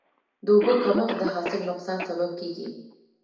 د اوبو کمښت د حاصل نقصان سبب کېږي.